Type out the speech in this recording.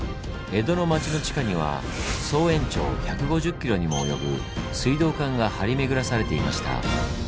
江戸の町の地下には総延長１５０ｋｍにも及ぶ水道管が張り巡らされていました。